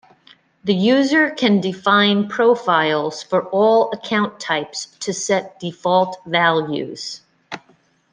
The user can define profiles for all account types to set default values.